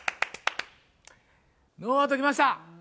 ノーアウトきました。